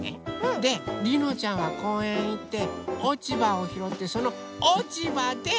でりのちゃんはこうえんへいっておちばをひろってそのおちばで